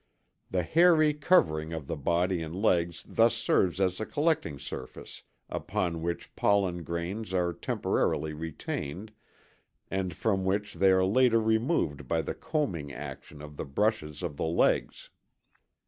The hairy covering of the body and legs thus serves as a collecting surface upon which pollen grains are temporarily retained and from which they are later removed by the combing action of the brushes of the legs.